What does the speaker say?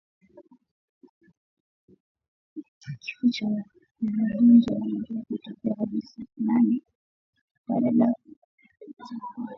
Kifo kwa ugonjwa wa mapafu hutokea hadi nane baada ya dalili za awali